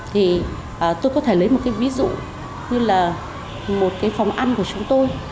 thì tôi có thể lấy một cái ví dụ như là một cái phòng ăn của chúng tôi